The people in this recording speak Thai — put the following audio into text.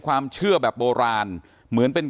การแก้เคล็ดบางอย่างแค่นั้นเอง